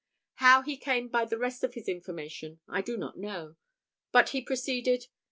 How he came by the rest of his information I do not know; but he proceeded.